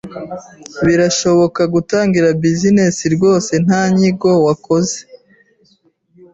Birashoboka gutangira business rwose nta nyigo wakoze